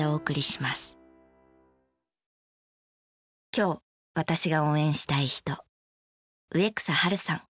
今日私が応援したい人。